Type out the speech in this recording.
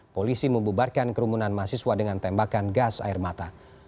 polisi membubarkan kerumunan mahasiswa dengan tembakan gas air mata